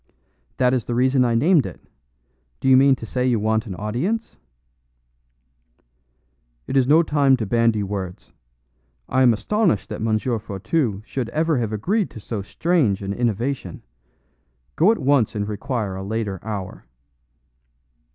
"That is the reason I named it. Do you mean to say you want an audience?" "It is no time to bandy words. I am astonished that M. Fourtou should ever have agreed to so strange an innovation. Go at once and require a later hour."